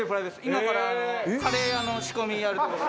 今からカレー屋の仕込みやるところ。